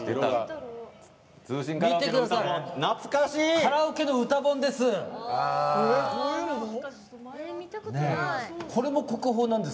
カラオケの歌本です。